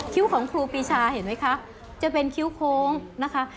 ของครูปีชาเห็นไหมคะจะเป็นคิ้วโค้งนะคะ